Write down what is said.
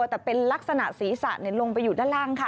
แต่เป็นลักษณะศีรษะลงไปอยู่ด้านล่างค่ะ